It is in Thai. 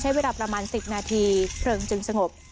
ใช้เวลาประมาณ๑๐นาทีเพลิงจึงสงบ